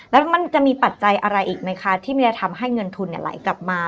แล้วมันจะมีปัจจัยอะไรอีกไหมคะที่มันจะทำให้เงินทุนไหลกลับมา